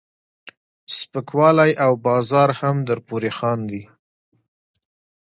سپکوالی او بازار هم درپورې خاندي.